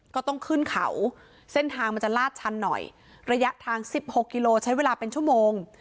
ก็ต้องขึ้นเขาเส้นทางมันจะลาดชันหน่อยระยะทางสิบหกกิโลใช้เวลาเป็นชั่วโมง